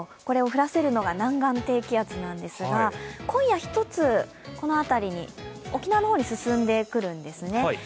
これを降らせるのが南岸低気圧なんですが今夜１つこの辺りに沖縄の方に進んでくるんですね。